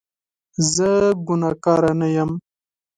زه ګناکاره نه یم